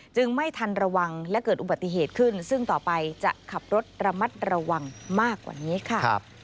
ไม่ทันระวังและเกิดอุบัติเหตุขึ้นซึ่งต่อไปจะขับรถระมัดระวังมากกว่านี้ค่ะ